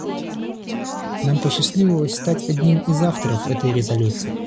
Нам посчастливилось стать одним из авторов этой резолюции.